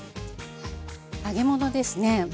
揚げ物ですね